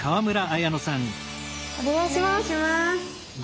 お願いします。